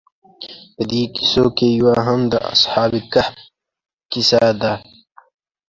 په دې کیسو کې یو هم د اصحاب کهف کیسه ده.